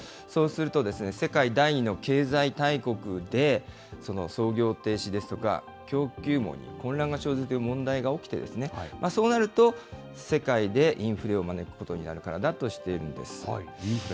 そうすると、世界第２の経済大国で、操業停止ですとか、供給網に混乱が生ずる問題が起きて、そうなると、世界でインフレを招くことになるからだとしているんです。